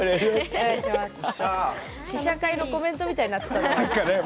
試写会のコメントみたいになってた。